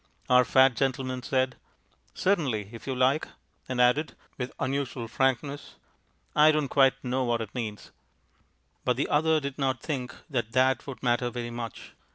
Our fat gentleman said: "Certainly, if you like," and added, with unusual frankness: "I don't quite know what it means." But the other did not think that that would matter very much.